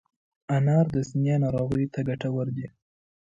انار د سینې ناروغیو ته ګټور دی.